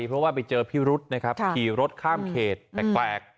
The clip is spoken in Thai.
เพราะว่าไปเจอพี่รุ๊ดขี่รถข้ามเขตแตก